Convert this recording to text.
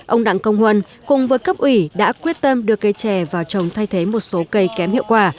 ông đặng công huân cùng với cấp ủy đã quyết tâm đưa cây trè vào trồng thay thế một số cây kém hiệu quả